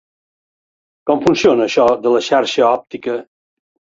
Com funciona això de la xarxa òptica?